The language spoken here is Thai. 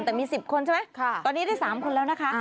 แต่มี๑๐คนใช่ไหมตอนนี้ได้๓คนแล้วนะคะ